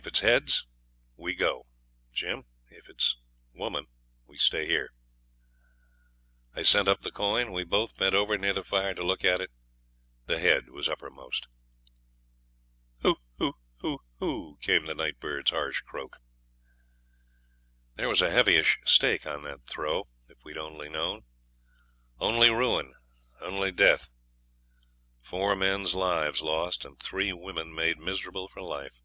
'If it's head we go, Jim; if it's woman, we stay here.' I sent up the coin; we both bent over near the fire to look at it. The head was uppermost. 'Hoo hoo hoo hoo,' came the night bird's harsh croak. There was a heavyish stake on that throw, if we'd only known. Only ruin only death. Four men's lives lost, and three women made miserable for life.